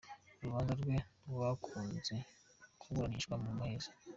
Urubanza rwe rwakunze kuburanishwa mu muhezo.